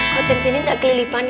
kok centini gak kelilipan ya